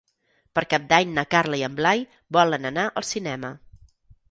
Per Cap d'Any na Carla i en Blai volen anar al cinema.